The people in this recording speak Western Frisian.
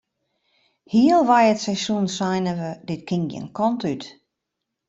Healwei dat seizoen seinen we dit kin gjin kant út.